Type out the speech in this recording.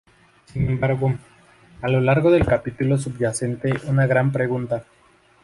Sin embargo, a lo largo del capítulo subyace una gran pregunta.